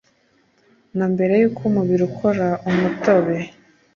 na mbere yuko umubiri ukora umutobe